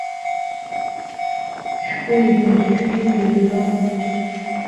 Шәҟәи-быӷьшәи ирным.